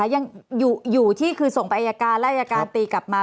ยังอยู่ที่คือส่งไปอายการและอายการตีกลับมา